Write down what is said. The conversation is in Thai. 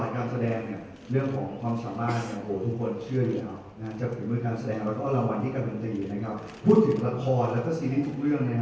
คือเขาเป็นคนที่เวลาเขาเริ่มแข่งคำครับเรียกเรื่องใหม่ถ้าไปเริ่มเริ่มใหม่